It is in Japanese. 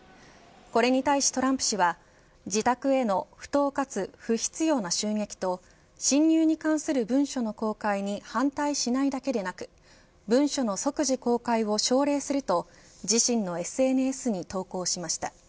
これに対しトランプ氏は自宅への不当且つ不必要な襲撃と侵入に関する文書の公開に反対しないだけでなく文書の即時公開を奨励すると自身のＳＮＳに投稿しました。